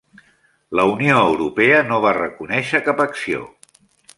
La Unió Europea no va reconèixer cap acció.